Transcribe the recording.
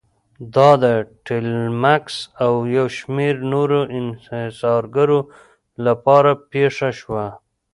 دا د ټیلمکس او یو شمېر نورو انحصارګرو لپاره پېښه شوه.